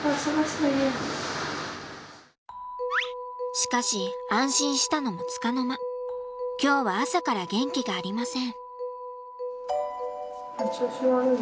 しかし安心したのも束の間今日は朝から元気がありません。